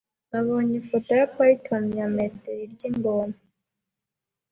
Nabonye ifoto ya python ya metero irya ingona.